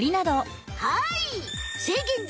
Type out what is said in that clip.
はい！